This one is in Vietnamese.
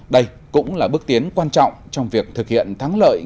đây cũng là bước tiến quan trọng trong việc thực hiện thắng lợi